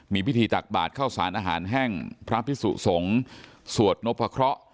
มีพิธีตักบาทเข้าสารอาหารแห้งพระพิสุสงฆ์สวดนพะเคราะห์